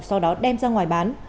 sau đó đem ra ngoài bán